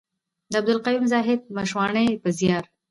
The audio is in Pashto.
د عبدالقيوم زاهد مشواڼي په زيار.